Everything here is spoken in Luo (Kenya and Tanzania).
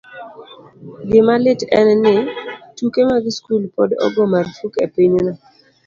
Gima lit en ni, tuke mag skul pod ogo marfuk e pinyno.